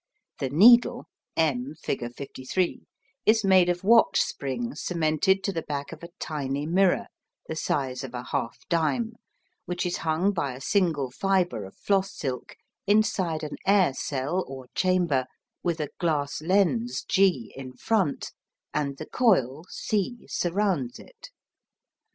The needle (M figure 53) is made of watch spring cemented to the back of a tiny mirror the size of a half dime which is hung by a single fibre of floss silk inside an air cell or chamber with a glass lens G in front, and the coil C surrounds it.